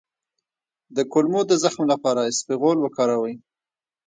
د کولمو د زخم لپاره اسپغول وکاروئ